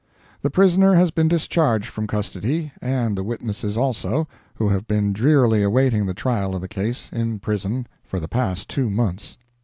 The prisoner has been discharged from custody, and the witnesses also, who have been drearily awaiting the trial of the case, in prison, for the past two months.